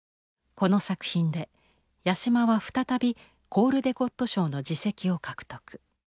この作品で八島は再びコールデコット賞の次席を獲得。